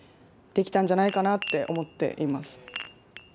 できたんじゃないかなって思っています。